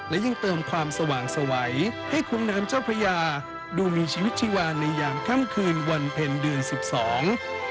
และยังเติมความสว่างสวัยให้คุ้งน้ำเจ้าพระยาดูมีชีวิตชีวานในยามค่ำคืนวันเพ็ญเดือนสิบสอง